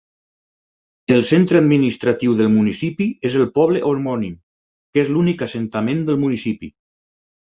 El centre administratiu del municipi és el poble homònim, que és l'únic assentament del municipi.